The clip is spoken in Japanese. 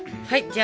はい！